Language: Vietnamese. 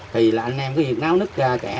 thì là anh em có việc náo nước ra kẻ